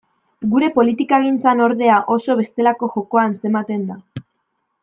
Gure politikagintzan, ordea, oso bestelako jokoa antzematen da.